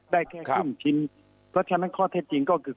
ได้แค่ครึ่งชิ้นเพราะฉะนั้นข้อเท็จจริงก็คือ